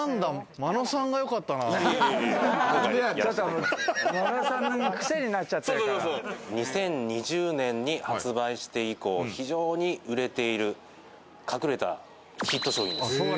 真野さんがクセになっちゃっ２０２０年に発売して以降、非常に売れている隠れたヒット商品です。